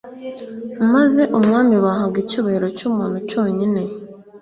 maze umwami bahaga icyubahiro cy’umuntu cyonyine,